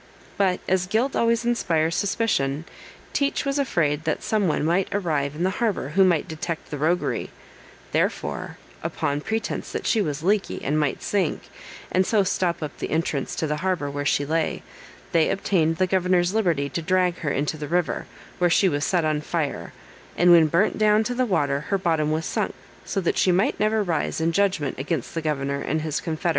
But as guilt always inspires suspicion, Teach was afraid that some one might arrive in the harbor who might detect the roguery: therefore, upon pretence that she was leaky, and might sink, and so stop up the entrance to the harbor where she lay, they obtained the governor's liberty to drag her into the river, where she was set on fire, and when burnt down to the water, her bottom was sunk, that so she might never rise in judgment against the governor and his confederates.